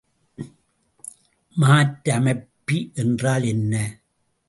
மாற்றமைப்பி என்றால் என்ன?